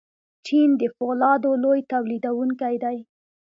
چین د فولادو لوی تولیدونکی دی.